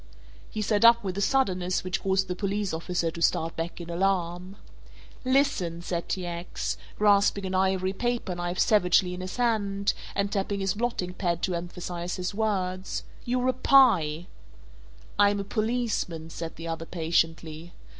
He sat up with a suddenness which caused the police officer to start back in alarm. "Listen," said T. X., grasping an ivory paperknife savagely in his hand and tapping his blotting pad to emphasize his words, "you're a pie!" "I'm a policeman," said the other patiently.